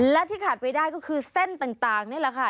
และที่ขาดไปได้ก็คือเส้นต่างนี่แหละค่ะ